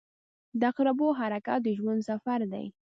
• د عقربو حرکت د ژوند سفر دی.